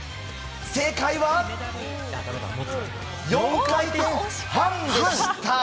正解は、４回転半でした！